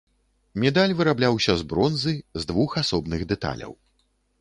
Медаль вырабляўся з бронзы, з двух асобных дэталяў.